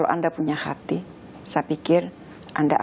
untuk menguasai pada akhirnya